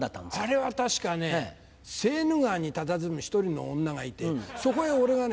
あれは確かねセーヌ川にたたずむ１人の女がいてそこへ俺がね里帰りで。